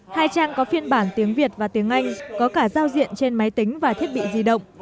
hai trang có phiên bản tiếng việt và tiếng anh có cả giao diện trên máy tính và thiết bị di động